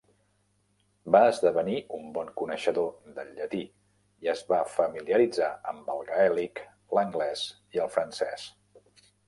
Va esdevenir un bon coneixedor del llatí i es va familiaritzar amb el gaèlic, l'anglès i el francès.